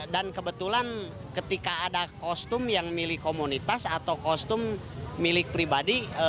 dan kebetulan ketika ada kostum yang milik komunitas atau kostum milik pribadi